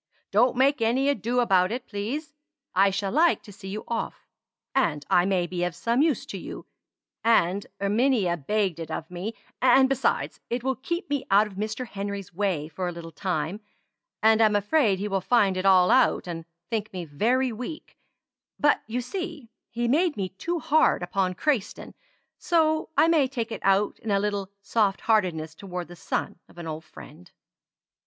"Don't make any ado about it, please. I shall like to see you off; and I may be of some use to you, and Erminia begged it of me; and, besides, it will keep me out of Mr. Henry's way for a little time, and I'm afraid he will find it all out, and think me very weak; but you see he made me too hard upon Crayston, so I may take it out in a little soft heartedness toward the son of an old friend."